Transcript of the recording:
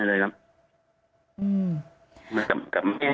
น่าจะปองร้ายชีวิตทั้งครอบครัวเลยอ่ะคะ